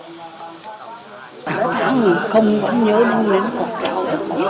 tại sao người không nhớ đến con cháu